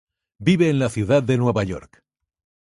Vive en la ciudad de Nueva York.